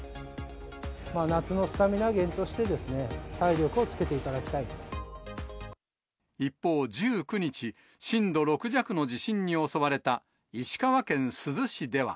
夏のスタミナ源として、一方、１９日、震度６弱の地震に襲われた石川県珠洲市では。